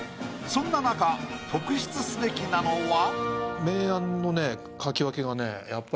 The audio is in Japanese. そんななか特筆すべきなのは。